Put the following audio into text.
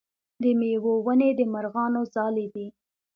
د میوو ونې د مرغانو ځالې دي.